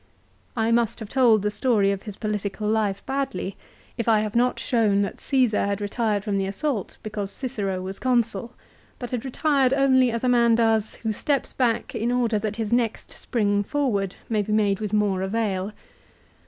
I must have told the story of his political life badly, if I have not shown that Csesar had retired from the assault because Cicero was Consul, but had retired only as a man does who steps back in order that his next spring forward may be made with more avail.